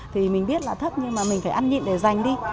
thì mình biết là thấp nhưng mà mình phải ăn nhịn để giành đi